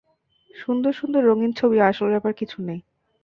সুন্দর-সুন্দর রঙিন ছবি-আসল ব্যাপার কিছু নেই।